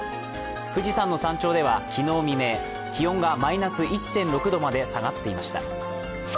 富士山の山頂では昨日未明、気温がマイナス１．６度まで下がっていました。